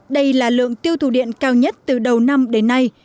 đây là lượng tiêu thụ điện cao nhất từ đầu năm đến nay